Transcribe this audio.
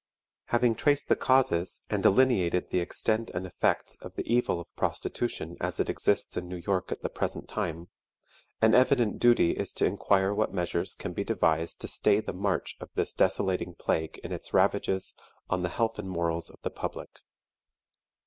Having traced the causes and delineated the extent and effects of the evil of prostitution as it exists in New York at the present time, an evident duty is to inquire what measures can be devised to stay the march of this desolating plague in its ravages on the health and morals of the public.